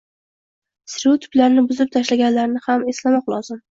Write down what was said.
– stereotiplarni buzib tashlaganlarini eslamoq lozim.